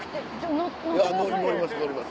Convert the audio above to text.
乗ります